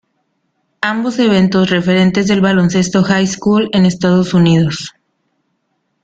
Ambos eventos, referentes del baloncesto High School en Estados Unidos.